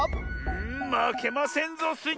んまけませんぞスイ